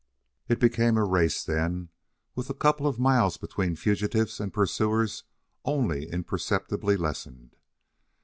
It became a race then, with the couple of miles between fugitives and pursuers only imperceptibly lessened.